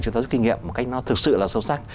chúng ta rút kinh nghiệm một cách nó thực sự là sâu sắc